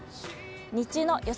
日中の予想